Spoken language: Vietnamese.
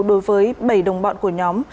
đối với bảy đồng bọn của nhóm